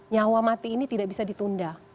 nyawa mati ini tidak bisa ditunda